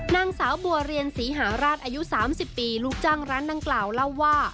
นางสาวบัวเรียนศรีหาราชอายุ๓๐ปีลูกจ้างร้านดังกล่าวเล่าว่า